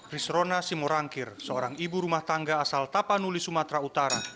risrona simorangkir seorang ibu rumah tangga asal tapanuli sumatera utara